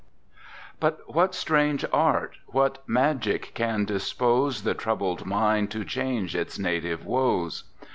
But what strange art, what magic can dispose The troubled mind to change its native woes?